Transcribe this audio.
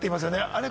あれ？